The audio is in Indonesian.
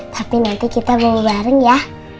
tapi nanti kita bawa bareng ya